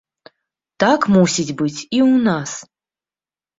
Так мусіць быць і у нас!